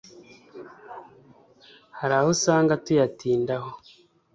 hari aho usanga tuyatindaho